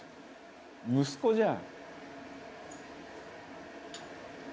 「息子じゃん」